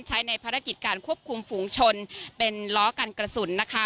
ใช้ในภารกิจการควบคุมฝูงชนเป็นล้อกันกระสุนนะคะ